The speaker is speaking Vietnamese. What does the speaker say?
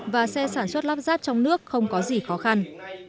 và xe sản xuất lắp ráp trong nước không có gì khó khăn